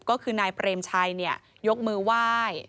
ก็คือนายเปรมชัยยกมือไหว้